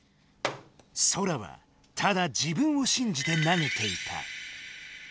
ソラはただ自分をしんじて投げていた。